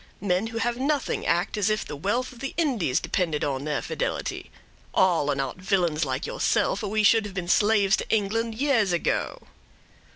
Men who have nothing, act as if the wealth of the Indies depended on their fidelity; all are not villains like yourself, or we should have been slaves to England years ago."